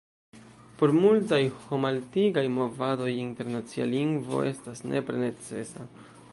Por multaj homaltigaj movadoj internacia lingvo estas nepre necesa.